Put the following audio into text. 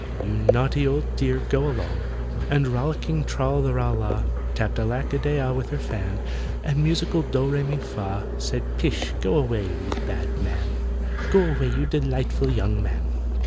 You naughty old dear, go along!" And rollicking TRAL THE RAL LAH Tapped ALACK A DEY AH with her fan; And musical DOH REH MI FAH Said, "Pish, go away, you bad man! Go away, you delightful young man!"